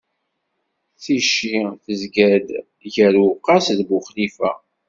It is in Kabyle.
Ticci tezga-d gar Uwqas d Buxlifa.